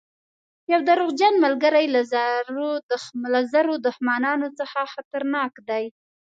یو دروغجن ملګری له زرو دښمنانو څخه خطرناک دی.